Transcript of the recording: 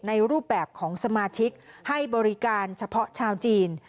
รูปแบบของสมาชิกให้บริการเฉพาะชาวจีน